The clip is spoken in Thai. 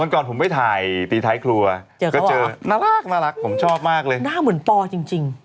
เออวันก่อนผมไปถ่ายตีไทยครัวเจอเขาหรอน่ารักผมชอบมากเลยหน้าเหมือนปอจริง